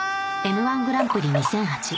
『Ｍ−１グランプリ』２００８